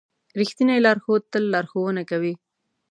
رښتینی لارښود تل لارښوونه کوي.